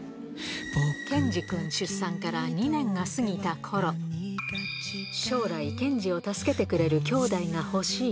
ケンジくん出産から２年が過ぎたころ、将来、ケンジを助けてくれる兄弟が欲しい。